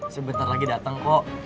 sebentar lagi dateng kok